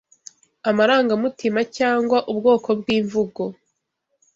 amarangamutima, cyangwa ubwoko bw’imvugo